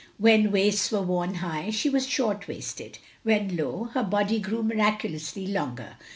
When waists were worn high, she was short waisted; when low, her body grew miractilously longer.